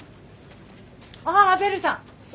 あベルさん！